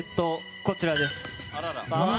こちらです。